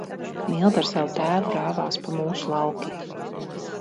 Milda ar savu tēvu rāvās pa mūsu laukiem.